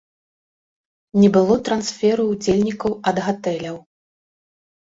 Не было трансферу ўдзельнікаў ад гатэляў.